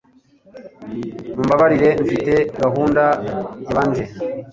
Mumbabarire mfite gahunda yabanje.